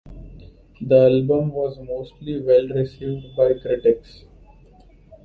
The album was mostly well received by critics.